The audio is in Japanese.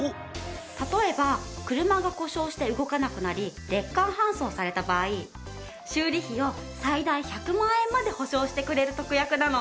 例えば車が故障して動かなくなりレッカー搬送された場合修理費を最大１００万円まで補償してくれる特約なの。